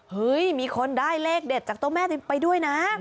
เห้ยมีคนได้เลขเด่ดจากโต๊ะแม่ไปด้วยนะ